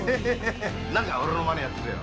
俺のまねをやってくれよ。